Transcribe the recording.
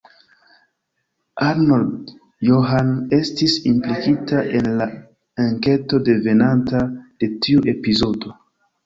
Arnold Johan estis implikita en la enketo devenanta de tiu epizodo.